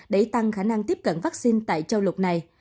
để tăng khả năng tiếp cận vaccine tại châu lục này